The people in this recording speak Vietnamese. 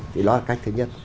thì đó là cách thứ nhất